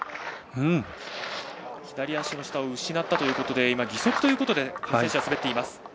左足の下を失ったということで義足でこの選手は滑っています。